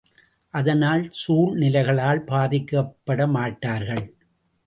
அதனால், சூழ்நிலைகளால் பாதிக்கப்பட மாட்டார்கள்.